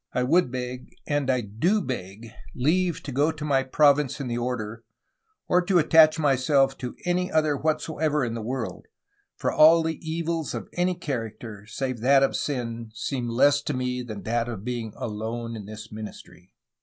I would beg, and I do beg, leave to go to my province in the order, or to attach myself to any other whatsoever in the world, for all the evils of any character, save that of sin, seem less to me than that of being alone in this ministry."